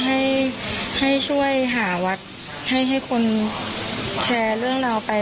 ให้ให้ช่วยหาวัดให้คนแชร์เรื่องราวไป